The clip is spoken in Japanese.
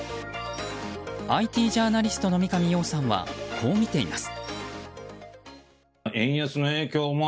ＩＴジャーナリストの三上洋さんは、こう見ています。